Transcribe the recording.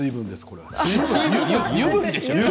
油分でしょう？